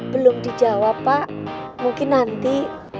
belum dijawab pak mungkin nanti